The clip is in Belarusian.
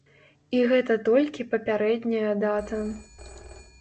І гэта толькі папярэдняя дата.